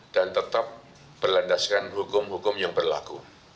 dan tetap berlandaskan hukum hukum yang berlaku